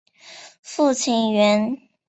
父亲袁。